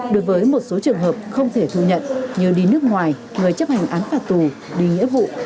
đối với một số trường hợp không thể thu nhận như đi nước ngoài người chấp hành án phạt tù đi nghĩa vụ